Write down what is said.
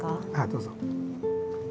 どうぞ。